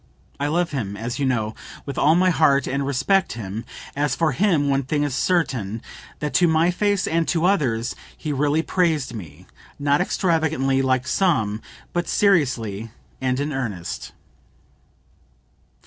I love him, as you know, with all my heart, and respect him; as for him, one thing is certain, that to my face and to others, he really praised me, not extravagantly, like some, but seriously and in earnest."